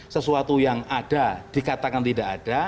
sesuatu yang ada dikatakan tidak ada